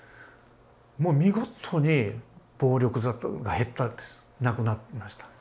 もう見事に暴力沙汰が減ったんですなくなりました。